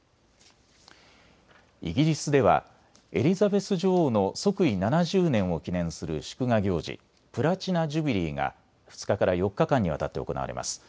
イギリスではエリザベス女王の即位７０年を記念する祝賀行事、プラチナ・ジュビリーが２日から４日間にわたって行われます。